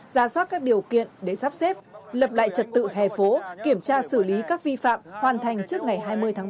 ra soát các điều kiện để sắp xếp lập lại trật tự hè phố kiểm tra xử lý các vi phạm hoàn thành trước ngày hai mươi tháng ba